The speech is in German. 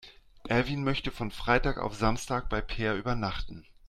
Erwin möchte von Freitag auf Samstag bei Peer übernachten.